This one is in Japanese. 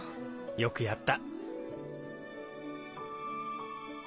よくやった。